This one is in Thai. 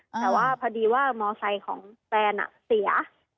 แต่ว่าพอดีว่ามอไซค์ของแฟนเสีย